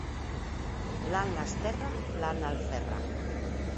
Lan lasterra, lan alferra.